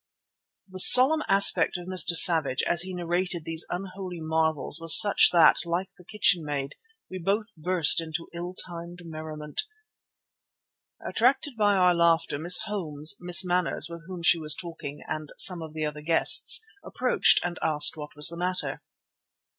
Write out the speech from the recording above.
The solemn aspect of Mr. Savage as he narrated these unholy marvels was such that, like the kitchenmaid, we both burst into ill timed merriment. Attracted by our laughter, Miss Holmes, Miss Manners, with whom she was talking, and some of the other guests, approached and asked what was the matter.